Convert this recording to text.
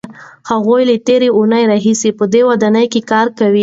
هغوی له تېرې اوونۍ راهیسې په دې ودانۍ کار کوي.